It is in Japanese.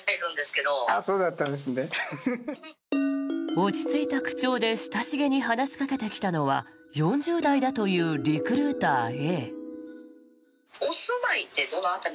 落ち着いた口調で親しげに話しかけてきたのは４０代だというリクルーターＡ。